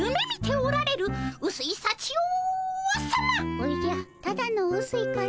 おじゃただのうすいかの。